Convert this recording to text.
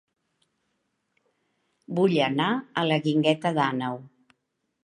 Vull anar a La Guingueta d'Àneu